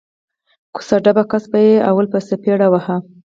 کوڅه ډب کس به یې لومړی په څپېړو واهه